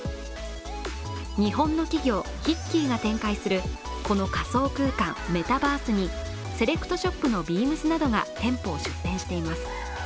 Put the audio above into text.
日本の企業、ヒッキーが展開するこの仮想空間メタバースにセレクトショップのビームスなどが店舗を出店しています。